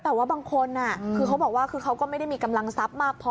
แต่ว่าบางคนคือเขาบอกว่าคือเขาก็ไม่ได้มีกำลังทรัพย์มากพอ